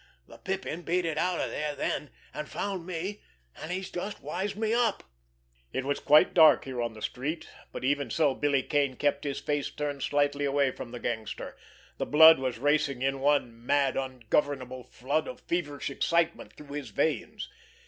The Pippin beat it out of there then, and found me, and he's just wised me up." It was quite dark here on the street, but even so Billy Kane kept his face turned slightly away from the gangster. The blood was racing in one mad, ungovernable flood of feverish excitement through his veins.